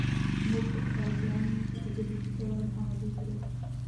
موږ به خپل پلان په تدریجي ډول عملي کړو.